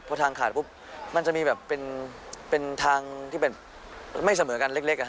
พอทางขาดปุ๊บมันจะมีแบบเป็นทางที่แบบไม่เสมอกันเล็ก